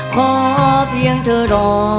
ขอเพียงเธอรอ